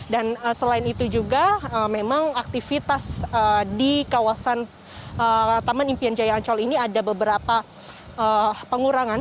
dan selain itu juga memang aktivitas di kawasan taman impian jaya ancol ini ada beberapa pengurangan